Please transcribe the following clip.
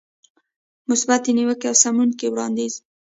مثبتې نيوکې او سموونکی وړاندیز.